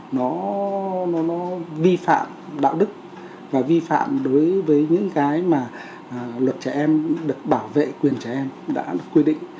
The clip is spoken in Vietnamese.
nó vi phạm đạo đức và vi phạm đối với những cái mà luật trẻ em được bảo vệ quyền trẻ em đã được quy định